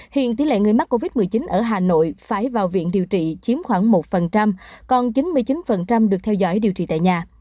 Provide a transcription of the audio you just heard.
hiện tỷ lệ người mắc covid một mươi chín ở hà nội phải vào viện điều trị chiếm khoảng một còn chín mươi chín được theo dõi điều trị tại nhà